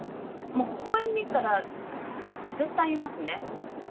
公園に行ったら、絶対いますね。